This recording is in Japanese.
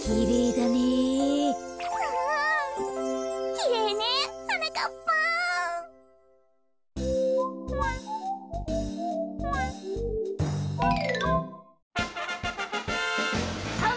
きれいねはなかっぱん。